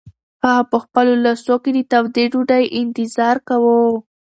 هغه په خپلو لاسو کې د تودې ډوډۍ انتظار کاوه.